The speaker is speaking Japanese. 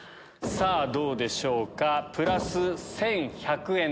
さぁどうでしょうかプラス１１００円。